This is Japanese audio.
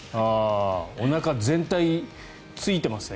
おなか全体、ついてますよね。